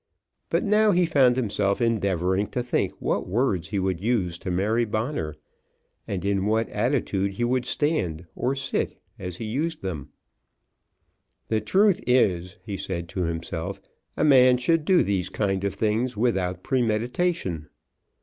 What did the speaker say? But now he found himself endeavouring to think what words he would use to Mary Bonner, and in what attitude he would stand or sit as he used them. "The truth is," he said to himself, "a man should do these kind of things without premeditation."